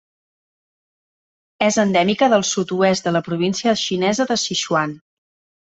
És endèmica del sud-oest de la província xinesa de Sichuan.